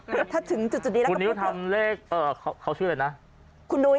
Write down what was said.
คุณนุ้ยทำเลขเขาชื่ออะไรนะ